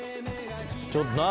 ちょっと何？